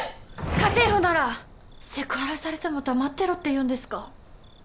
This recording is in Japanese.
家政婦ならセクハラされても黙ってろって言うんですか？